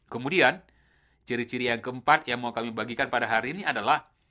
kemudian ciri ciri yang keempat yang mau kami bagikan pada hari ini adalah